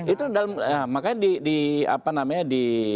itu dalam makanya di